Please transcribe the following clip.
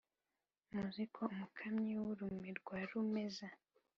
muzi ko umukamyi w’urume rwa rumeza,